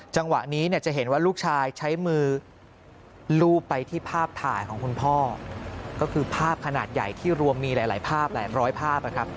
จังหวะนี้เนี่ยจะเห็นว่าลูกชายใช้มือลูบไปที่ภาพถ่ายของคุณพ่อก็คือภาพขนาดใหญ่ที่รวมมีหลายภาพหลายร้อยภาพนะครับ